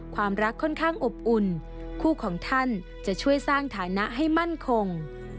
ความรักค่อนข้างอบอุ่นคู่ของท่านจะช่วยสร้างฐานะให้มั่นคง